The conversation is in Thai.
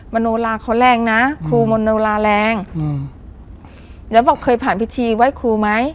โนลาเขาแรงนะครูมนโนลาแรงอืมแล้วบอกเคยผ่านพิธีไหว้ครูไหม